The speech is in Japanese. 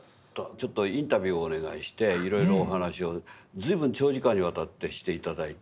ちょっとインタビューをお願いしていろいろお話を随分長時間にわたってして頂いて。